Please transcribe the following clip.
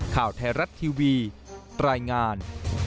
ข่าวแทรศทีวีตรายงาน